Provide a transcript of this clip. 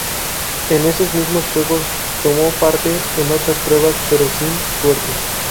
En esos mismos Juegos tomó parte en otras pruebas, pero sin suerte.